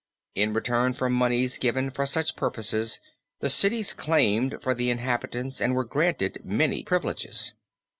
In return for moneys given for such purposes the cities claimed for the inhabitants and were granted many privileges.